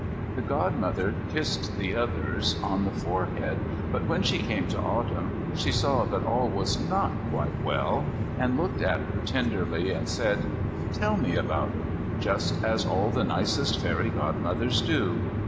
The Godmother kissed the others on the forehead, but when she came to Autumn she saw that all was not quite well, and looked at her very tenderly and said, "Tell me all about it," just as all the nicest fairy Godmothers do.